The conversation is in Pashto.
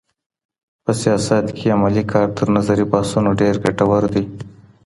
په سياست کي عملي کار تر نظري بحثونو ډېر ګټور دی.